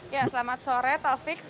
ya selamat sore taufik